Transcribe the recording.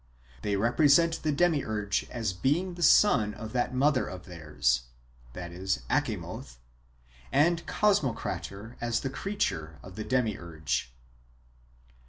They represent the Demiurge as being the son of tliat mother of theirs (Achamoth), and Cosmocrator as the creature of the Demiurge.